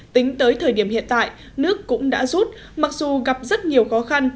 tính tới thời điểm hiện tại nước cũng đã rút mặc dù gặp rất nhiều khó khăn